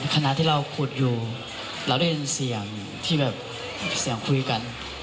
ขณะที่เราขุดอยู่เราได้ยินเสียงที่แบบเสียงคุยกัน